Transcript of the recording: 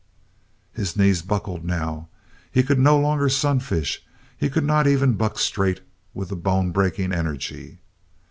His knees buckled now. He could no longer sunfish. He could not even buck straight with the bone breaking energy.